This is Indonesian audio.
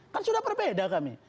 kan sudah berbeda kami